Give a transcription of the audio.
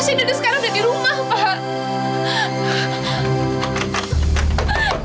mas iksan udah sekarang udah dirumah pak